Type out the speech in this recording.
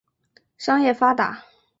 商业发达。